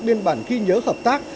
biên bản ghi nhớ hợp tác